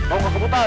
om keputan ya